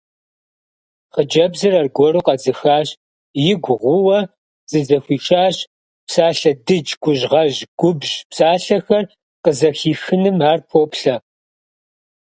Хъыджэбзыр аргуэру къэдзыхащ, игу гъууэ зызэхуишащ: псалъэ дыдж, гужьгъэжь губжь псалъэхэр къызэхихыным ар поплъэ.